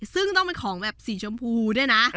ซึ่งต้องเป็นของแบบสีชมพูด้วยนะ